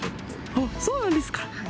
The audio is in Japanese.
おっ、そうなんですか。